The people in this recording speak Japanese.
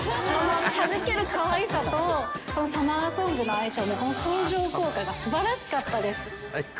はじけるかわいさと、このサマーソングの相性、相乗効果がすばらしかったです。